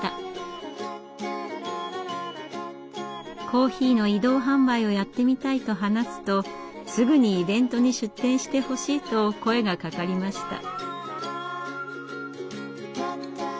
コーヒーの移動販売をやってみたいと話すとすぐにイベントに出店してほしいと声がかかりました。